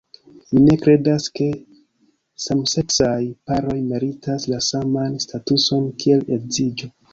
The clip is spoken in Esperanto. Mi ne kredas ke samseksaj-paroj meritas la saman statuson kiel edziĝo.